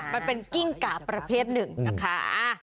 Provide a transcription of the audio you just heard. มันเป็นกิ้งกาประเภทหนึ่งนะคะ